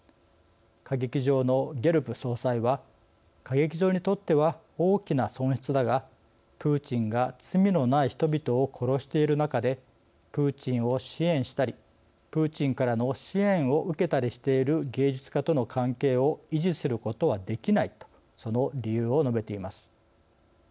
歌劇場のゲルブ総裁は「歌劇場にとっては大きな損失だがプーチンが罪のない人々を殺している中でプーチンを支援したりプーチンからの支援を受けたりしている芸術家との関係を維持することはできない」と、その理由を述べています。